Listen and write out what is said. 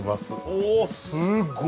おすごっ！